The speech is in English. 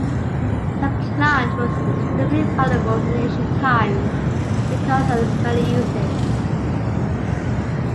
The plant was extremely valuable in ancient times because of its many uses.